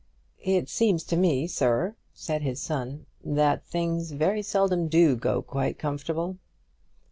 "It seems to me, sir," said his son, "that things very seldom do go quite comfortable."